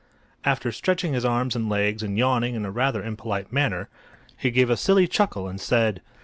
After stretching his arms and legs and yawning in a rather impolite manner, he gave a silly chuckle and said: "This is better!